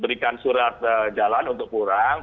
berikan surat jalan untuk kurang